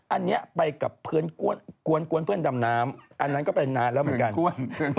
อันนี้ไปกับเพื่อนกวนเพื่อนดำน้ำอันนั้นก็เป็นนานแล้วเหมือนกัน